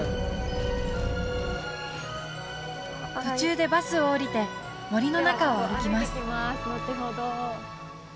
途中でバスを降りて森の中を歩きます